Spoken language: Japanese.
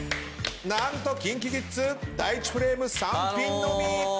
何とＫｉｎＫｉＫｉｄｓ第１フレーム３ピンのみ。